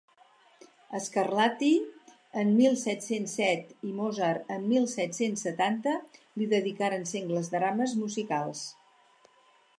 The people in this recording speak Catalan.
Scarlatti en mil set-cents set i Mozart en mil set-cents setanta li dedicarien sengles drames musicals.